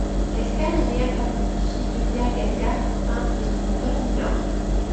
Gascar est né à Paris, fils de Pierre Gascar, peintre et sculpteur mineur.